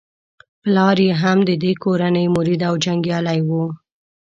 پلار یې هم د دې کورنۍ مرید او جنګیالی وو.